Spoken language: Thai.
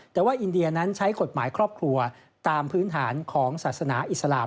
แต่ว่าอินเดียนั้นใช้กฎหมายครอบครัวตามพื้นฐานของศาสนาอิสลาม